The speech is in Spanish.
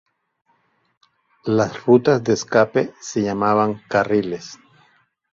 Las rutas de escape se llamaban "carriles".